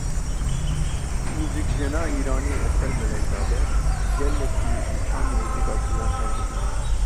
Muzîkjena Îranî Esel Melekzade; gelekî ji çand û muzîka Kurdan hez dikim.